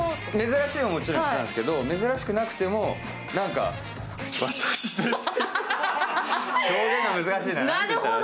珍しいのはもちろん一緒なんですけど、珍しくなくても表現が難しいな。